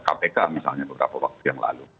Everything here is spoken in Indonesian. kpk misalnya beberapa waktu yang lalu